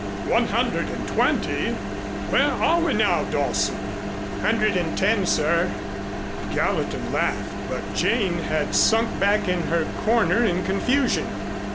"One Hundred and Twenty! Where are we now, Dawson?" "Hundred and Ten, sir." Gallatin laughed, but Jane had sunk back in her corner in confusion.